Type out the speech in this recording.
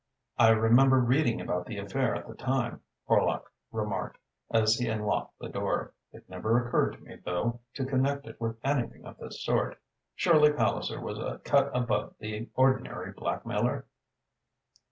"I remember reading about the affair at the time," Horlock remarked, as he unlocked the door. "It never occurred to me, though, to connect it with anything of this sort. Surely Palliser was a cut above the ordinary blackmailer?"